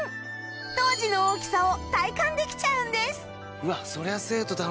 当時の大きさを体感できちゃうんです！